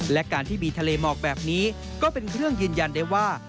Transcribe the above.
และการที่มีทะเลหมอกแบบนี้ก็เป็นเครื่องยืนยันได้ว่า